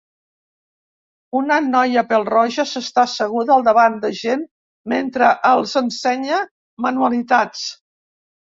Una noia pèl-roja s'està asseguda al davant de gent mentre els ensenya manualitats.